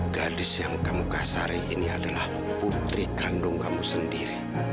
gadis yang kamu kasari ini adalah putri kandung kamu sendiri